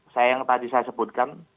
saya yang tadi saya sebutkan